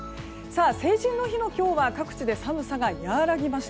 成人の日の今日は各地で寒さが和らぎました。